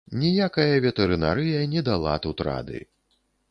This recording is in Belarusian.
Ніякая ветэрынарыя не дала тут рады.